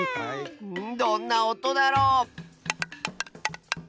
どんなおとだろ？